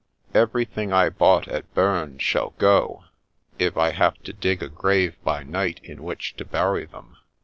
Everything I bought at Bern shall go, if I have to dig a grave by night in which to bury them.